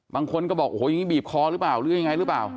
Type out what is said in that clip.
บางคนก็บอกโอ้โหยังงี้บีบคอหรือเปล่า